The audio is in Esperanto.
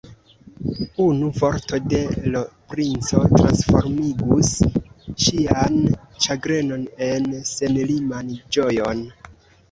Unu vorto de l' princo transformigus ŝian ĉagrenon en senliman ĝojon.